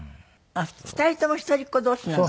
２人とも一人っ子同士なの？